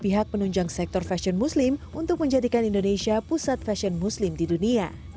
pihak penunjang sektor fashion muslim untuk menjadikan indonesia pusat fashion muslim di dunia